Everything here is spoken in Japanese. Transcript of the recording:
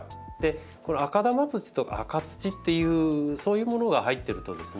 この赤玉土とか赤土っていうそういうものが入ってるとですね